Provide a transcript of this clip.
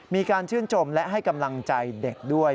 มีการชื่นชมและให้กำลังใจเด็กด้วย